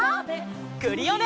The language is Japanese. クリオネ！